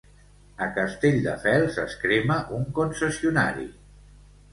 A Castelldefels, es crema un concessionari.